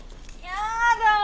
やだ！